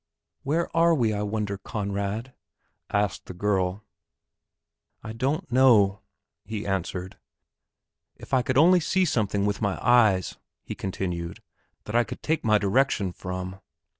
"Where are we, I wonder, Conrad?" asked the girl. "I don't know," he answered. "If I only could see something with my eyes," he continued, "that I could take my direction from."